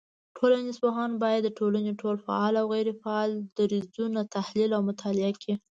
ټولنپوهان بايد د ټولني ټول فعال او غيري فعاله درځونه تحليل او مطالعه کړي